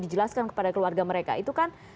dijelaskan kepada keluarga mereka itu kan